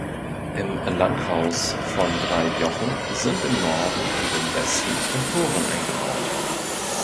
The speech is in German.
Im Langhaus von drei Jochen sind im Norden und im Westen Emporen eingebaut.